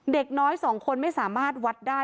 เด็กน้อย๒คนไม่สามารถวัดได้